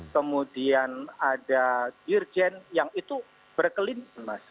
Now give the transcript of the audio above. kemudian ada dirjen yang itu berkeliling mas